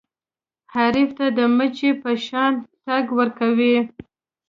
حریف ته د مچۍ په شان ټک ورکوه.